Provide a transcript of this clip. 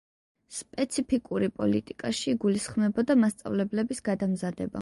სპეციფიკური პოლიტიკაში იგულისხმებოდა მასწავლებლების გადამზადება.